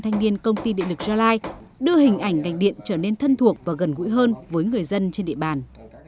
đoàn cơ sở công ty điện lực gia lai đưa hình ảnh ngành điện trở nên thân thuộc và gần gũi hơn với người dân trên địa bàn